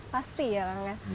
pasti ya kang ya